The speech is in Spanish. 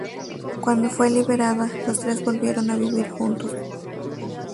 Cuando fue liberada, los tres volvieron a vivir juntos.